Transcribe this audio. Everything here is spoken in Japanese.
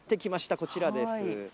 こちらです。